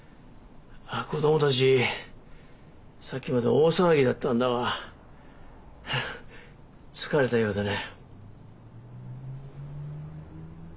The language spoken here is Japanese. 子供たちさっきまで大騒ぎだったんだが疲れたようでね。